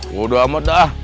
gua udah amat ah